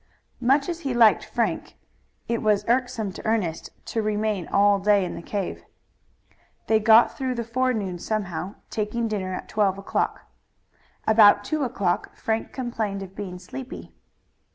Much as he liked Frank, it was irksome to Ernest to remain all day in the cave. They got through the forenoon somehow, taking dinner at twelve o'clock. About two o'clock Frank complained of being sleepy.